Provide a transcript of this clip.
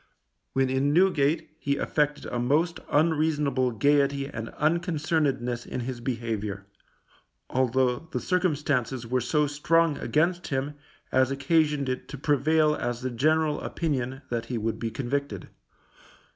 When in Newgate he affected a most unreasonable gaiety and unconcernedness in his behaviour, although the circumstances were so strong against him as occasioned it to prevail as the general opinion that he would be convicted.